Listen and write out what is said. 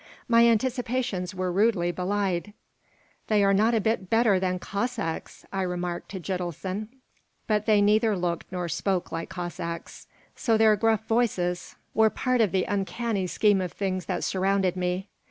My anticipations were rudely belied. "They are not a bit better than Cossacks," I remarked to Gitelson. But they neither looked nor spoke like Cossacks, so their gruff voices were part of the uncanny scheme of things that surrounded me.